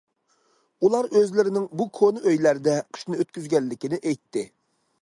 ئۇلار ئۆزلىرىنىڭ بۇ كونا ئۆيلەردە قىشنى ئۆتكۈزگەنلىكىنى ئېيتتى.